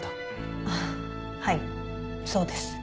あっはいそうです。